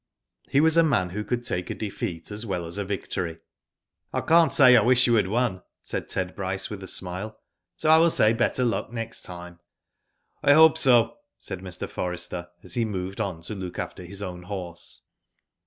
He was a man who could take a defeat as well as a victory. '' I can^t say I wish you had won,'' said Ted Bryce, with a smile ;so I will say better luck next time." '* I hope so," said Mr. Forrester, as he moved on to look after his own horse.